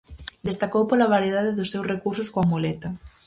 Destacou pola variedade dos seus recursos coa muleta.